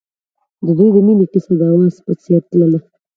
د دوی د مینې کیسه د اواز په څېر تلله.